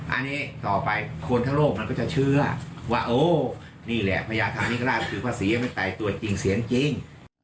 อันนี้ต่อไปคนทั้งโลกมันก็จะเชื่อว่าโอ้นี่แหละพญาธานิกราชคือภาษีอภัยตัวจริงเสียงจริง